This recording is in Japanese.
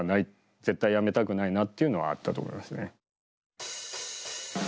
絶対やめたくないなっていうのはあったと思いますね。